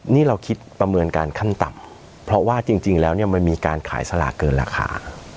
นี่เราคิดประเมินการขั้นต่ำเพราะว่าจริงแล้วเนี่ยมันมีการขายสลากเกินราคา